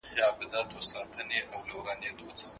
خپل فکر له نورو مه قربانوئ.